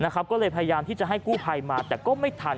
ก็เลยพยายามที่จะให้กู้ภัยมาแต่ก็ไม่ทัน